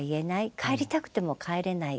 帰りたくても帰れない。